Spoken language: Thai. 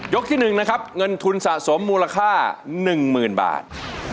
ที่๑นะครับเงินทุนสะสมมูลค่า๑๐๐๐บาท